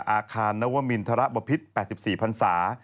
อาคารนวมินทรบพิษ๘๔พันศา